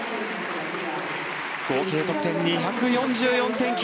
合計得点、２４４．９０。